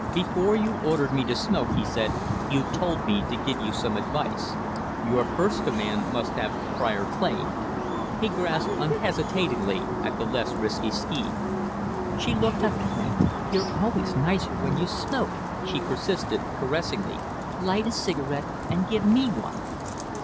"Before you ordered me to smoke," he said, "you told me to give you some advice. Your first command must have prior claim." He grasped unhesitatingly at the less risky theme. She looked up at him. "You're always nicer when you smoke," she persisted, caressingly. "Light a cigarette and give me one."